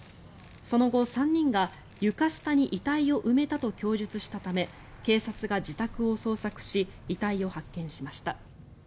その後、３人が床下に遺体を埋めたと供述したため警察が自宅を捜索し遺体を発見しました。